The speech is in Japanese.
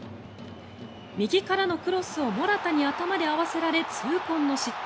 右からのクロスをモラタに頭で合わせられ痛恨の失点。